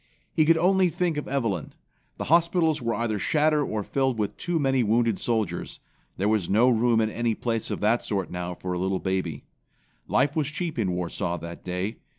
He could only think of Evelyn. The hospitals were either shattered or filled with too many wounded soldiers. There was no room in any place of that sort now for a little baby. Life was cheap in Warsaw that day.